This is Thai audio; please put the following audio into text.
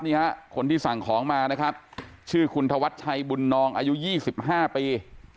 นี่ฮะคนที่สั่งของมานะครับชื่อคุณธวัชชัยบุญนองอายุ๒๕ปี